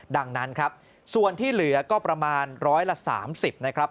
ดังนั้นครับส่วนที่เหลือก็ประมาณร้อยละ๓๐นะครับ